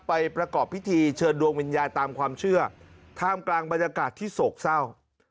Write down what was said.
ประกอบพิธีเชิญดวงวิญญาณตามความเชื่อท่ามกลางบรรยากาศที่โศกเศร้า